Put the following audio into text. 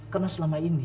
karena selama ini